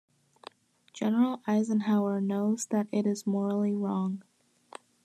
General Eisenhower knows that it is morally wrong.